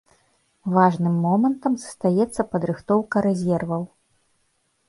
Важным момантам застаецца падрыхтоўка рэзерваў.